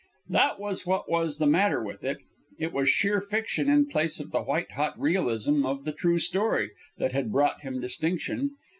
That was what was the matter with it: it was sheer fiction in place of the white hot realism of the "true story" that had brought him distinction.